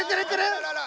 あららら！